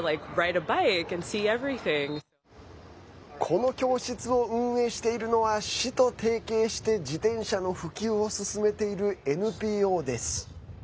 この教室を運営しているのは市と提携して自転車の普及を進めているＮＰＯです。